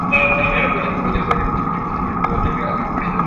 প্রতিটি ফ্লাইটে কিছু কিছু করে হজযাত্রীকে আগাম পাঠিয়ে দেওয়ার চেষ্টা করব।